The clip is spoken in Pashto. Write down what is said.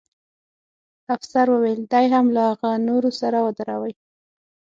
افسر وویل: دی هم له هغه نورو سره ودروئ.